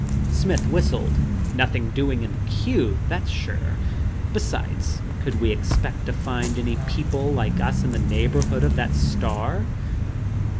Smith whistled. "Nothing doing in the cube, that's sure. Besides, could we expect to find any people like us in the neighborhood of that star?"